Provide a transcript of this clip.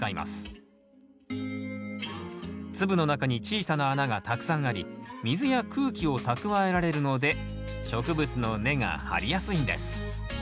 粒の中に小さな穴がたくさんあり水や空気を蓄えられるので植物の根が張りやすいんです。